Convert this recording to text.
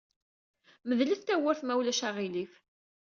Medlet tawwurt, ma ulac aɣilif.